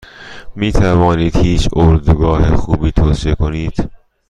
میتوانید هیچ اردوگاه خوبی توصیه کنید؟